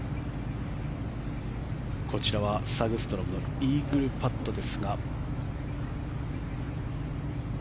こちらはサグストロムのイーグルパットですが。